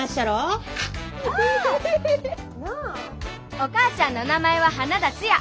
お母ちゃんの名前は花田ツヤ。